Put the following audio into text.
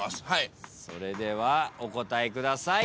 それではお答えください。